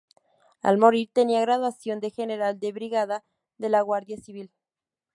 Al morir tenía graduación de general de brigada de la guardia civil.